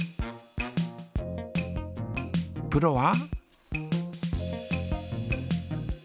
プロは？